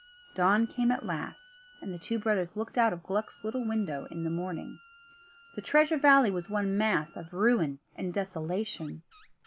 Dawn came at last and the two brothers looked out of Gluck's little window in the morning. The Treasure Valley was one mass of ruin and desolation.